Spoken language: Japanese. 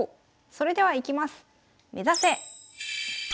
それではいきます。